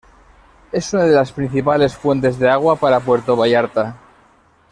Es una de las principales fuentes de agua para Puerto Vallarta.